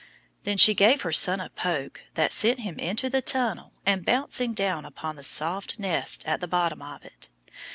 Then she gave her son a poke that sent him into the tunnel and bouncing down upon the soft nest at the bottom of it.